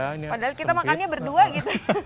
padahal kita makannya berdua gitu